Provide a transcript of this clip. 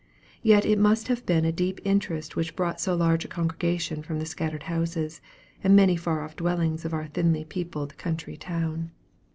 Yet it must have been a deep interest which brought so large a congregation from the scattered houses, and many far off dwellings of our thinly peopled country town.